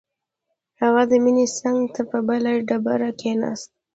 هغه د مينې څنګ ته په بله ډبره کښېناست.